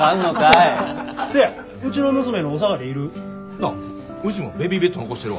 あっうちもベビーベッド残してるわ。